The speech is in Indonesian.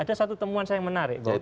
itu temuan saya yang menarik